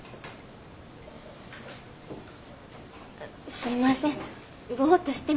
すいませんボッとしてました。